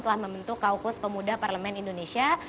telah membentuk kaukus pemuda parlemen indonesia